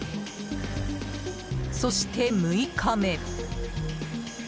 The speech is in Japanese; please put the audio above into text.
そして６日目。